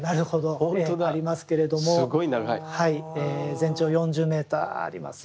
全長４０ｍありますね。